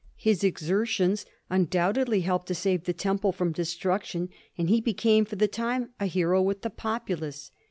His exertions undoubtedly helped to save the Temple from destruction; and he be came for the time a hero with the populace.